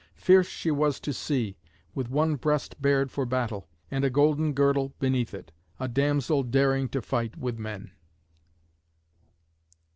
Fierce she was to see, with one breast bared for battle, and a golden girdle beneath it, a damsel daring to fight with men.